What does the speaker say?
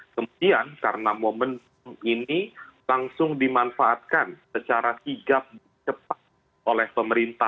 kemudian karena momen ini langsung dimanfaatkan secara sigap cepat